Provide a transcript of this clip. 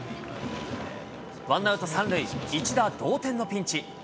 ワンアウト３塁、一打同点のピンチ。